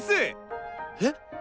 えっ！？